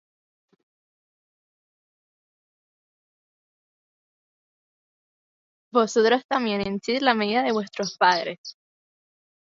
Vosotros también henchid la medida de vuestros padres!